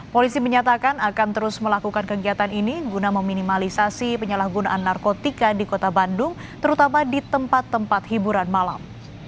polisi menyatakan akan terus melakukan kegiatan ini guna meminimalisasi penyalahgunaan narkotika di kota bandung terutama di tempat tempat hiburan malam